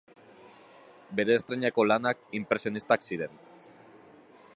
Bere estreinako lanak inpresionistak ziren.